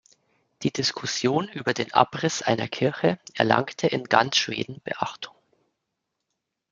Die Diskussion über den Abriss einer Kirche erlangte in ganz Schweden Beachtung.